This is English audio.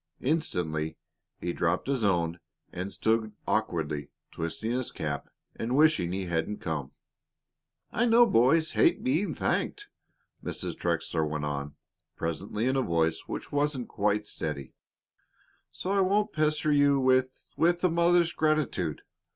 Instantly he dropped his own and stood awkwardly twisting his cap and wishing he hadn't come. "I know boys hate being thanked," Mrs. Trexler went on presently in a voice which wasn't quite steady, "so I won't pester you with with a mother's gratitude.